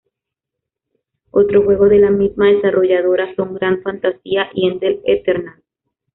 Otros juegos de la misma desarrolladora son Grand Fantasia y Eden Eternal.